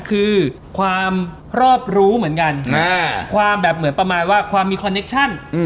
คือความรอบรู้เหมือนกันความแบบเหมือนประมาณว่าความมีคอนเนคชั่น